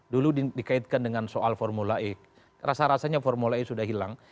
dulu dikaitkan dengan soal formula e rasa rasanya formula e sudah hilang